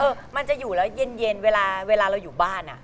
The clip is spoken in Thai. มันจะอยู่แล้วเย็นเวลาเราอยู่บ้านอ่ะ